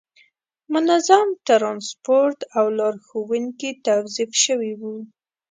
منظم ترانسپورت او لارښوونکي توظیف شوي وو.